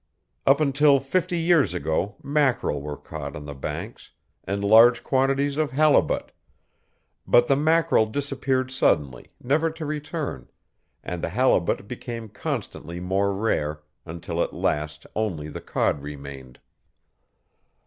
Up until fifty years ago mackerel were caught on the Banks, and large quantities of halibut, but the mackerel disappeared suddenly, never to return, and the halibut became constantly more rare, until at last only the cod remained.